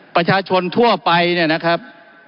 ประชาชนทั่วไปนะครับ